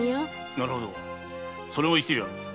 なるほどそれも一理ある。